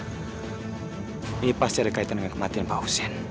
ini pasti ada kaitan dengan kematian pak hussein